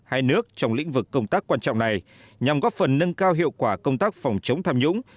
hai nước trong lĩnh vực công tác quan trọng này nhằm góp phần nâng cao hiệu quả công tác phòng chống tham nhũng